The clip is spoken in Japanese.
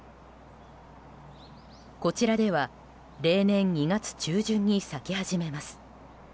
こちらでは例年、２月中旬に咲き始めます。